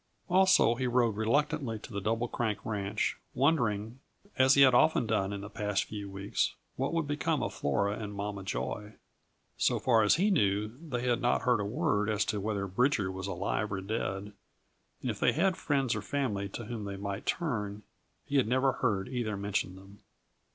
Also, he rode reluctantly to the Double Crank ranch, wondering, as he had often done in the past few weeks, what would become of Flora and Mama Joy. So far as he knew, they had not heard a word as to whether Bridger was alive or dead, and if they had friends or family to whom they might turn, he had never heard either mention them.